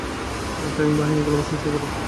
Tank বাহিনী, গোলাবর্ষণ শুরু কর!